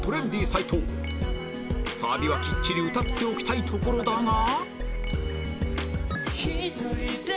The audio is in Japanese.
サビはきっちり歌っておきたいところだが